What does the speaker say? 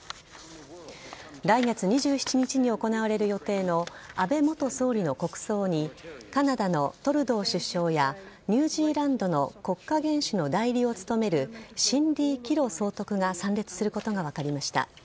来月２７日に行われる予定の安倍元総理の国葬にカナダのトルドー首相やニュージーランドの国家元首の代理を務めるシンディ・キロ総督が参列することが分かりました。